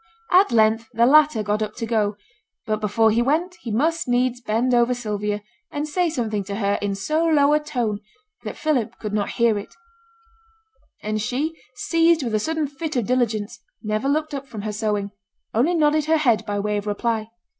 At length the latter got up to go; but before he went, he must needs bend over Sylvia and say something to her in so low a tone that Philip could not hear it; and she, seized with a sudden fit of diligence, never looked up from her sewing; only nodded her head by way of reply.